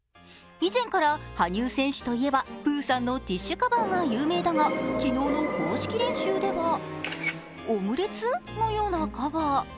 以前から羽生選手といえば、プーさんのティッシュカバーが有名だが、昨日の公式練習ではオムレツのようなカバー。